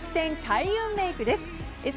開運メイクです。